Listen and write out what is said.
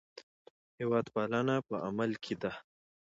هېوادپالنه په عمل کې ده.